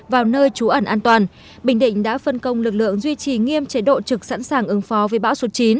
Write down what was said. vào nơi trú ẩn an toàn bình định đã phân công lực lượng duy trì nghiêm chế độ trực sẵn sàng ứng phó với bão số chín